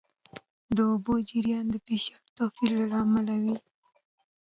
د اوبو جریان د فشار توپیر له امله وي.